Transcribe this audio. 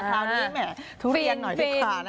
คราวนี้ไหมทุเรียนหน่อยสิคะ